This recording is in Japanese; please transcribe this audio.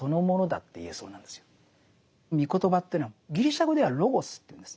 み言葉というのはギリシャ語ではロゴスというんです。